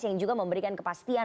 yang juga memberikan kepastian